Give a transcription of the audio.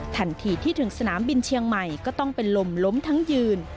ทันทีที่ถึงสนามบินเชียงใหม่ก็ต้องเป็นลมล้มทั้งยืน